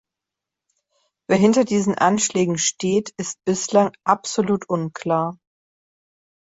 Wer hinter diesen Anschlägen steht, ist bislang absolut unklar.